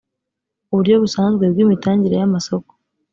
uburyo busanzwe bw’imitangire y’amasoko